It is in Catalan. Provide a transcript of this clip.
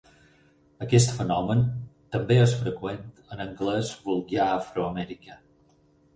Aquest fenomen també és freqüent en anglès vulgar afroamericà.